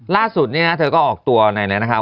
ล่าสุดนี้นะเธอก็ออกตัวอะไรเลยนะคะ